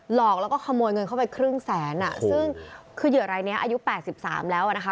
หลอกแล้วก็ขโมยเงินเข้าไปครึ่งแสนอ่ะซึ่งคือเหยื่อรายนี้อายุ๘๓แล้วอ่ะนะคะ